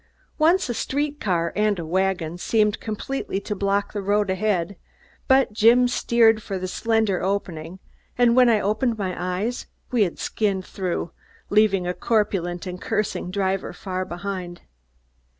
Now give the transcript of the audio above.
Once a street car and a wagon seemed completely to block the road ahead, but Jim steered for the slender opening and when I opened my eyes we had skinned through, leaving a corpulent and cursing driver far behind.